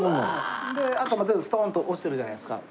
あとストーンと落ちてるじゃないですか。